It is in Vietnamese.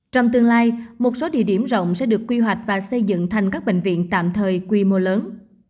trong tương lai một số địa điểm rộng sẽ được quy hoạch và xây dựng thành các bệnh viện tạm thời quy mô lớn